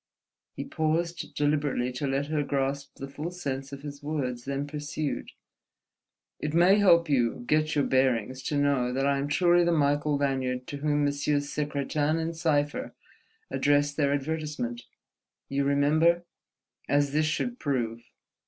He paused deliberately to let her grasp the full sense of his words, then pursued: "It may help you get your bearings to know that I am truly the Michael Lanyard to whom Messieurs Secretan & Sypher addressed their advertisement—you remember—as this should prove."